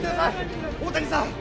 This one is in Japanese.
大谷さん！